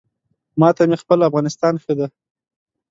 ما ته مې خپل افغانستان ښه دی